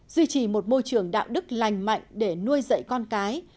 duy trì một môi trường đạo đức lành mạnh để nuôi dạy con cái